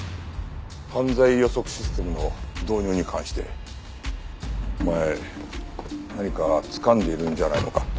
犯罪予測システムの導入に関してお前何かつかんでいるんじゃないのか？